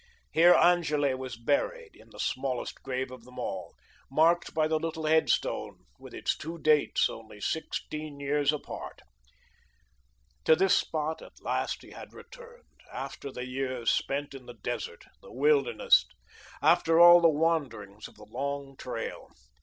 Here Angele was buried, in the smallest grave of them all, marked by the little headstone, with its two dates, only sixteen years apart. To this spot, at last, he had returned, after the years spent in the desert, the wilderness after all the wanderings of the Long Trail.